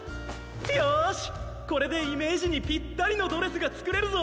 よしこれでイメージにぴったりのドレスがつくれるぞ！